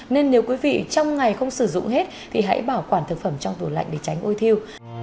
nên nếu quý vị trong ngày không sử dụng hết thì hãy bảo quản thực phẩm trong tủ lạnh để tránh ôi thiêu